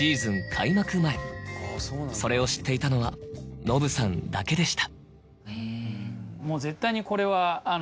それを知っていたのはのぶさんだけでした。